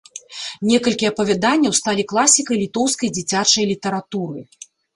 Некалькі апавяданняў сталі класікай літоўскай дзіцячай літаратуры.